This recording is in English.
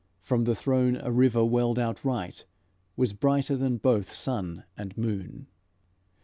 From the throne a river welled outright Was brighter than both sun and moon.